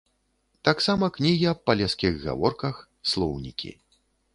Так сама кнігі аб палескіх гаворках, слоўнікі.